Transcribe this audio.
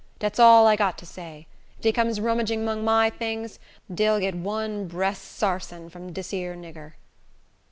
Dat's all I got to say. If dey comes rummagin 'mong my tings, de'll get one bressed sarssin from dis 'ere nigger."